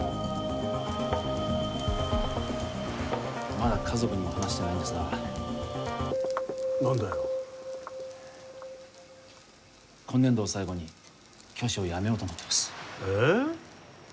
まだ家族にも話してないんですが何だよ今年度を最後に教師を辞めようと思ってますえっ？